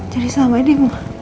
jadi selama ini